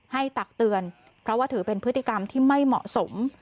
ตักเตือนเพราะว่าถือเป็นพฤติกรรมที่ไม่เหมาะสม